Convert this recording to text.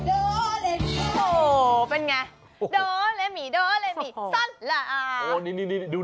โอ้เป็นไงโรเลมิโรเลมิซั่นระโอ้นิมิดู